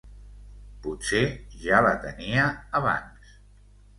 Potser ja la tenia, abans.